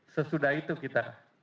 sesudah itu kita